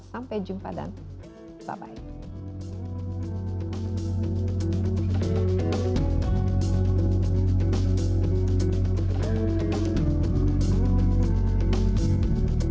sampai jumpa dan bye bye